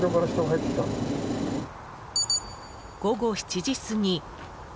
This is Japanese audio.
午後７時過ぎ。